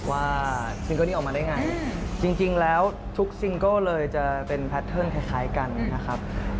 ซิงเกิ้ลนี้ออกมาได้ไงจริงแล้วทุกซิงเกิลเลยจะเป็นแพทเทิร์นคล้ายกันนะครับ